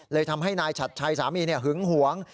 ทำให้นายฉัดชัยสามีหึงหวง